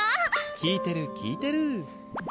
聞いてる聞いてる。